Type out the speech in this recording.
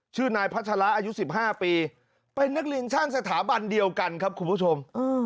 ชื่อนายพัชราอายุ๑๕ปีเป็นนักเรียนช่างสถาบันเดียวกันครับคุณผู้ชม